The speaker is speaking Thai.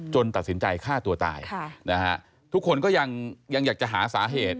ตัดสินใจฆ่าตัวตายทุกคนก็ยังอยากจะหาสาเหตุ